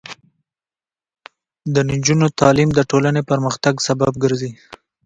د نجونو تعلیم د ټولنې پرمختګ سبب ګرځي.